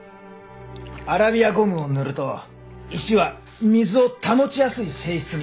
アラビアゴムを塗ると石は水を保ちやすい性質に変わる。